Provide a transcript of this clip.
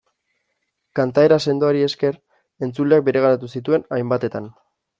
Kantaera sendoari esker, entzuleak bereganatu zituen hainbatetan.